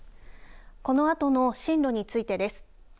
このあとの進路についてです。